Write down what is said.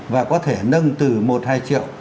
và có thể nâng từ một hai triệu